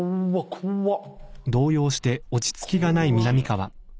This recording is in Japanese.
怖っ！